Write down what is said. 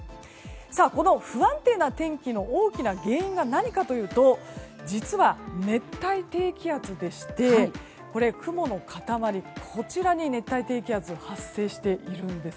この不安定な天気の大きな原因が何かというと実は、熱帯低気圧でして雲の塊、熱帯低気圧が発生しています。